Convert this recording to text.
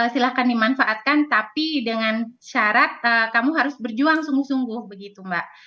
silahkan dimanfaatkan tapi dengan syarat kamu harus berjuang sungguh sungguh begitu mbak